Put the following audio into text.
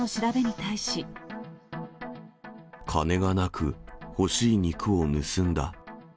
金がなく、欲しい肉を盗んだ。